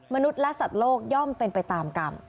มนุษย์และสัตว์โลกย่อมเป็นไปตามกรรม